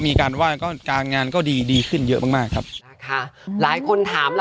มีการว่างานก็ดีขึ้นเยอะมากครับ